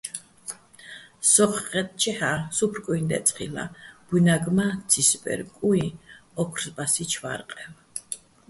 სოხ ხაჲტტჩეჰ̦ა́, სუფრ კუიჼ დე́წე ხილ'აჼ, ბუნაგ მა ცისბერ-კუჲჼ, ოქრბასიჩო̆ ვარყევ.